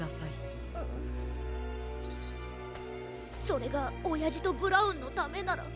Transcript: それがおやじとブラウンのためなら。